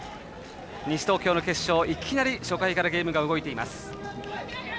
西東京の決勝、いきなり初回からゲームが動いています。